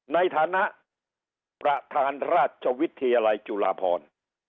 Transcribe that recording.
ในฐานะประธานราชวิทยาลัยจุฬาพร